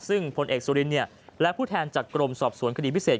ซึ่งผลเอกสุรินและผู้แทนจากกรมสอบสวนคดีพิเศษ